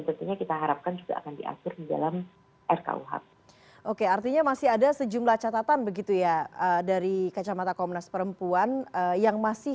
saya sangat sanggup saya teorinya bicarakan tentang telepon di dalam keluarga baru merek